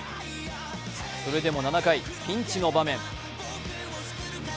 それでも７回、ピンチの場面。